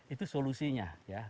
itu solusinya ya